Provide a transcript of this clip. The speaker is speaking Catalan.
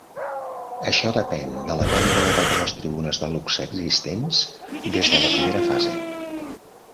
Això depèn de la venda de totes les tribunes de luxe existents des de la primera fase.